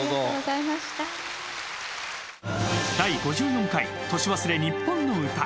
『第５４回年忘れにっぽんの歌』。